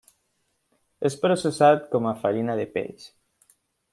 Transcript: És processat com a farina de peix.